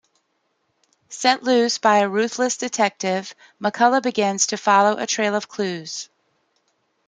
Set loose by a ruthless detective, McCullough begins to follow a trail of clues.